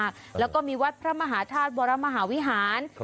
แล้วก็มีวัดพระมหาธาตุวรมหาวิหาร